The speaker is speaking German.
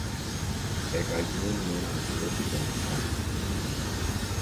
Er galt nunmehr als Größe seines Fachs.